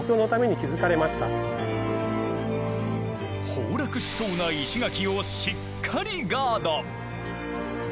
崩落しそうな石垣をしっかりガード。